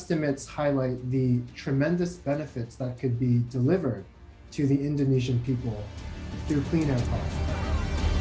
pembuatan ini menunjukkan keuntungan yang besar yang bisa diberikan kepada orang indonesia melalui air quality life index